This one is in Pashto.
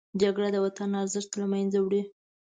جګړه د وطن ارزښت له منځه وړي